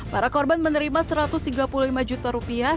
para korban menerima satu ratus tiga puluh lima juta rupiah